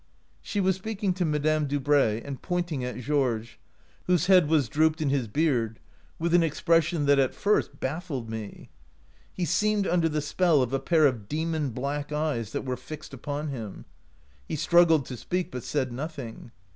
1 She was speaking to Madame Dubray and pointing at Georges, whose head was drooped in his beard, with an expression that at first baffled me. He seemed under the spell of a pair of demon black eyes that were fixed upon him. He struggled to speak, but said nothing.